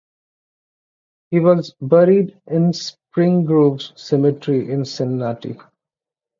He was buried in Spring Grove Cemetery in Cincinnati.